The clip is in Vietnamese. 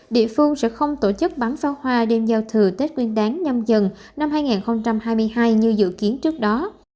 địa phương sẽ không tổ chức bắn pháo hoa đêm giao thừa tết nguyên đáng nhâm dần năm hai nghìn hai mươi hai như dự kiến trước đó